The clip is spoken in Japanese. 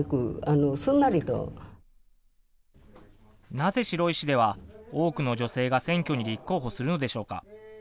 なぜ白井市では多くの女性が選挙に立候補するのでしょうか。